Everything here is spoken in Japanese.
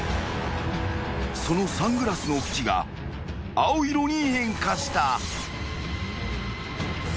［そのサングラスの縁が青色に変化した］